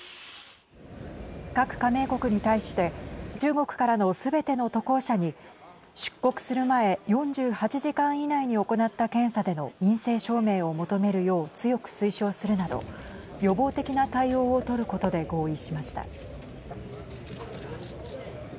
各加盟国に対して中国からのすべての渡航者に出国する前４８時間以内に行った検査での陰性証明を求めるよう強く推奨するなど予防的な対応を取ることで合意しました。